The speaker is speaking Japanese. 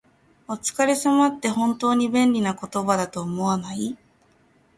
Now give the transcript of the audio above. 「お疲れ様です」って、本当に便利な言葉だと思わない？